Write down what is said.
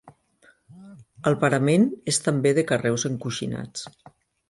El parament és també de carreus encoixinats.